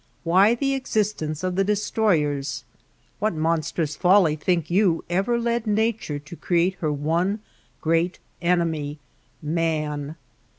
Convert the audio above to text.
Why the existence of the de stroyers ? What monstrous folly, think you, ever led Nature to create her one great enemy — man